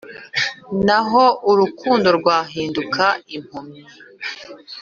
naho urukundo rwahinduka impumyi